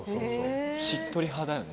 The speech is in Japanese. しっとり派だよね。